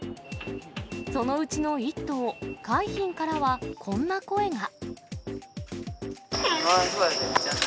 そのうちの１頭、海浜からは、こんな声が。